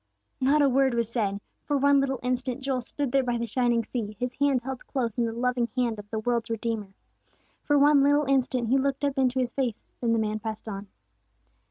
Not a word was said. For one little instant Joel stood there by the shining sea, his hand held close in the loving hand of the world's Redeemer. For one little instant he looked up into His face; then the man passed on.